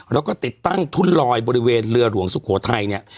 แล้วก็ติดตั้งทุ่นลอยบริเวณเรือหลวงสุโขทัยเนี่ย